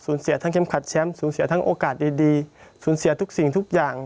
เสียทั้งเข้มขัดแชมป์สูญเสียทั้งโอกาสดีสูญเสียทุกสิ่งทุกอย่าง